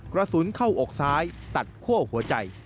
กระสุนเข้าอกซ้ายตัดคั่วหัวใจ